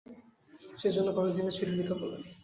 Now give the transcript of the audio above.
সেজন্য কয়েকদিনের ছুটি নিতে বলেন।